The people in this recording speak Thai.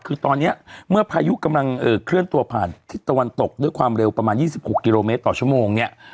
คือตอนนี้เมื่อพายุกำลังเคลื่อนตัวผ่านทิศตะวันตกด้วยความเร็วประมาณ๒๖กิโลเมตรต่อชั่วโมงเนี่ย